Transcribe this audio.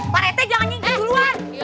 pak rt jangan nyigit duluan